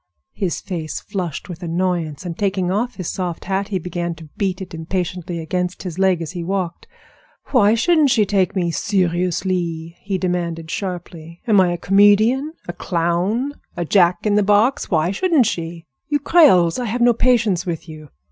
His face flushed with annoyance, and taking off his soft hat he began to beat it impatiently against his leg as he walked. "Why shouldn't she take me seriously?" he demanded sharply. "Am I a comedian, a clown, a jack in the box? Why shouldn't she? You Creoles! I have no patience with you!